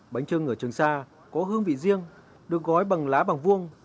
bánh trưng ở trường sa có hương vị riêng được gói bằng lá bằng vuông